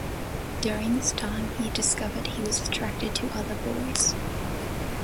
During this time, he discovered he was attracted to other boys.